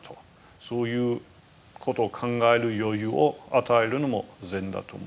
そういうことを考える余裕を与えるのも禅だと思いますね。